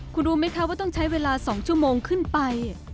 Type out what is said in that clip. คุณรู้ไหมคะว่าต้องใช้เวลา๒ชั่วโมงขึ้นไป